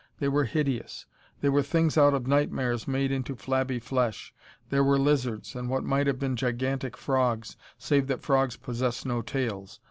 They were hideous. They were things out of nightmares, made into flabby flesh. There were lizards and what might have been gigantic frogs, save that frogs possess no tails.